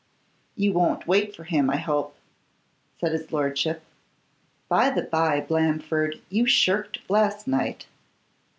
'You won't wait for him, I hope?' said his lordship. 'By the bye, Blandford, you shirked last night.